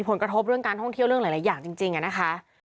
ผลกระทบเรื่องการท่องเที่ยวเรื่องหลายอย่างจริงนะคะ